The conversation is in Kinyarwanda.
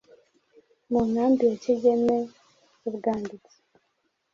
mu nkambi ya Kigeme ubwanditsi